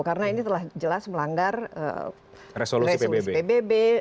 karena ini telah jelas melanggar resolusi pbb